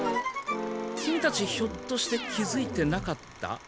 キミたちひょっとして気づいてなかった？